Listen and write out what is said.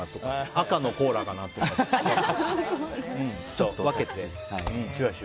赤のコーラかなとか、分けて。